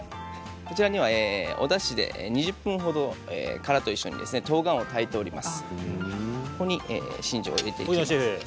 こちらには、おだしで２０分ほど殻と一緒にとうがんを炊いています。